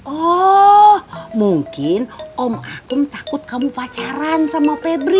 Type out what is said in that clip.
oh mungkin om akum takut kamu pacaran sama febri